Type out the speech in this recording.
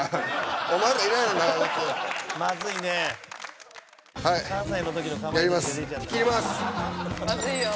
「まずいよ」